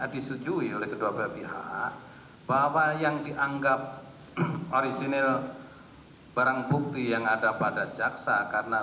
disetujui oleh kedua belah pihak bahwa yang dianggap orisinil barang bukti yang ada pada jaksa karena